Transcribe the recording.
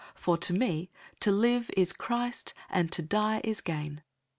001:021 For to me to live is Christ, and to die is gain.